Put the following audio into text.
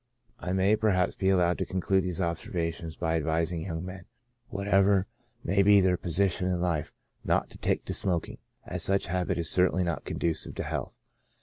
I may perhaps be allowed to conclude these observations by advising young men, whatever may be their position in life, not to take to smoking, as such habit is certainly not conducive to health.